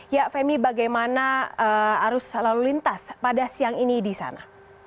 ya femi bagaimana arus lalu lintas pada siang ini di sana